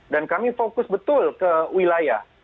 dan kami fokus betul ke wilayah